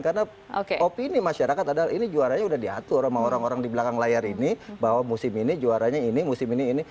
karena opini masyarakat adalah ini juaranya udah diatur sama orang orang di belakang layar ini bahwa musim ini juaranya ini musim ini ini